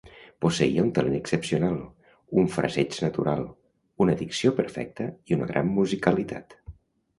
Posseïa un talent excepcional, un fraseig natural, una dicció perfecta i una gran musicalitat.